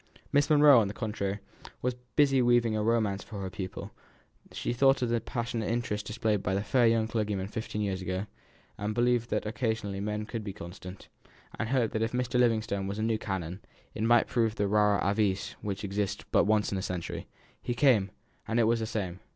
Miss Monro, on the contrary, was busy weaving a romance for her pupil; she thought of the passionate interest displayed by the fair young clergyman fifteen years ago, and believed that occasionally men could be constant, and hoped that if Mr. Livingstone were the new canon, he might prove the rara avis which exists but once in a century. He came, and it was the same.